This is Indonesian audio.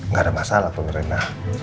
gak ada masalah pun rena